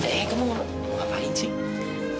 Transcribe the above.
eh kamu mau ngapain sih